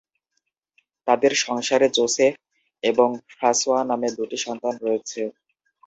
তাদের সংসারে জোসেফ এবং ফ্রাঁসোয়া নামে দু'টি সন্তান রয়েছে।